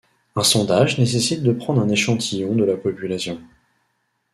Un sondage nécessite de prendre un échantillon de la population.